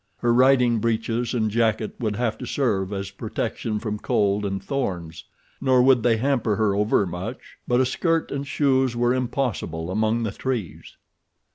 Her riding breeches and jacket would have to serve as protection from cold and thorns, nor would they hamper her over much; but a skirt and shoes were impossible among the trees.